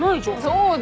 そうだよ。